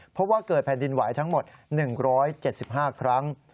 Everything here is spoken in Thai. เพราะว่าเกิดแผ่นดินไหวทั้งหมด๑๗๕ครั้ง